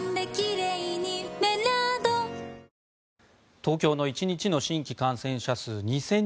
東京の１日の新規感染者数２０００